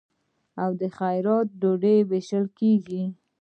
د خیرات ډوډۍ ویشل کیږي.